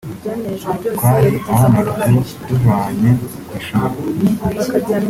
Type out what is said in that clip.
twari abana batatu tuvanye ku ishuli